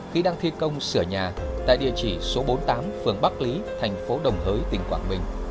khi đang thi công sửa nhà tại địa chỉ số bốn mươi tám phường bắc lý thành phố đồng hới tỉnh quảng bình